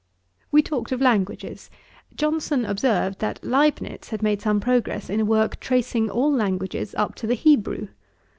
We talked of languages. Johnson observed, that Leibnitz had made some progress in a work, tracing all languages up to the Hebrew.